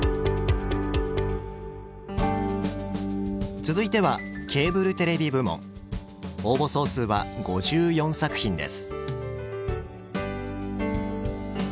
続いては応募総数は５４作品です。